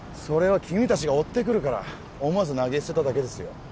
それは君達が追ってくるから思わず投げ捨てただけですよ